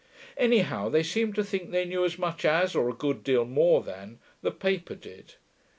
Anyhow they seemed to think they knew as much as, or a good deal more than, the paper did.